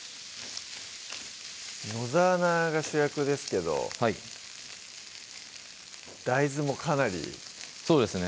野沢菜が主役ですけどはい大豆もかなりそうですね